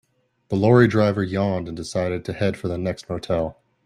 The lorry driver yawned and decided to head for the next motel.